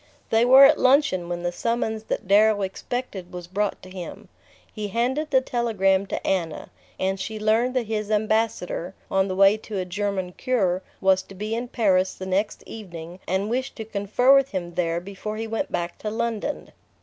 They were at luncheon when the summons that Darrow expected was brought to him. He handed the telegram to Anna, and she learned that his Ambassador, on the way to a German cure, was to be in Paris the next evening and wished to confer with him there before he went back to London.